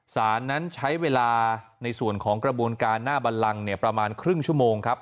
สารนั้นใช้เวลาในส่วนของกระบวนการหน้าบันลังประมาณครึ่งชั่วโมงครับ